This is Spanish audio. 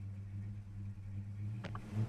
Hizo coches de Ferrari.